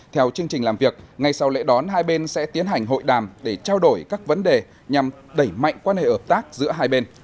theo chương trình làm việc ngay sau lễ đón hai bên sẽ tiến hành hội đàm để trao đổi các vấn đề nhằm đẩy mạnh quan hệ hợp tác giữa hai bên